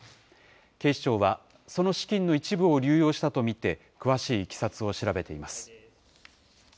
警視庁は、その資金の一部を流用したと見て、詳しいいきさつを調べています。